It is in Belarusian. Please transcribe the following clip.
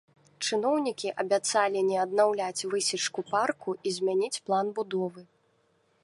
Чыноўнікі абяцалі не аднаўляць высечку парку і змяніць план будовы.